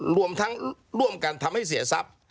รวมทั้งร่วมกันทำให้เสียทรัพย์